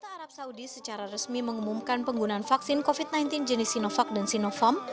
pemerintah arab saudi secara resmi mengumumkan penggunaan vaksin covid sembilan belas jenis sinovac dan sinovac